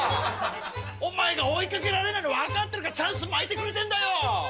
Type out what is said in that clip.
お前が追い掛けられないの分かってるからチャンスまいてくれてんだよ！